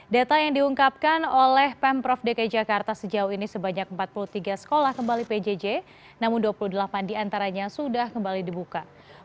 data yang diungkapkan oleh pemprov dki jakarta sejauh ini sebanyak empat puluh tiga sekolah kembali pjj namun dua puluh delapan diantaranya sudah kembali dibuka